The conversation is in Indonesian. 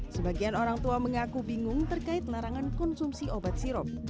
sebagian orang tua mengaku bingung terkait larangan konsumsi obat sirup